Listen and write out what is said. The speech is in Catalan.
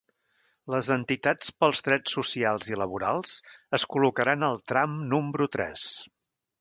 Les entitats pels drets socials i laborals es col·locaran al tram número tres.